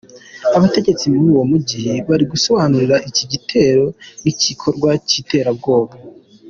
Abategetsi muri uwo mujyi bari gusobanura iki gitero nk’igikorwa cy’iterabwoba.